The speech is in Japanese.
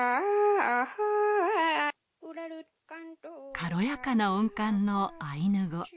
軽やかな音感のアイヌ語。